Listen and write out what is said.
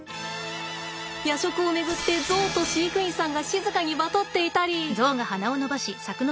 夜食を巡ってゾウと飼育員さんが静かにバトっていたり。